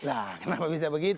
nah kenapa bisa begitu